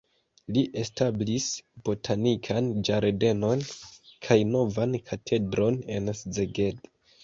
Li establis botanikan ĝardenon kaj novan katedron en Szeged.